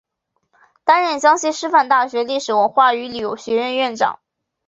担任江西师范大学历史文化与旅游学院院长。